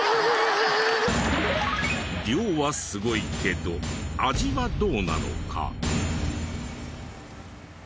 量はすごいけど味はどうなのか？